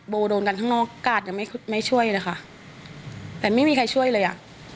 โดนกันข้างนอกกาดยังไม่ไม่ช่วยเลยค่ะแต่ไม่มีใครช่วยเลยอ่ะ